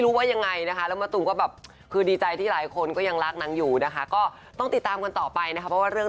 แล้วก็มาเคลียร์อย่างตัวของเขาเอง